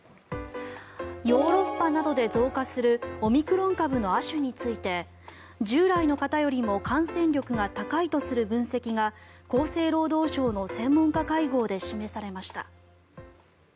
ヨーロッパなどで増加するオミクロン株の亜種について従来の型よりも感染力が高いとする分析が厚生労働省の専門家会合で示されました。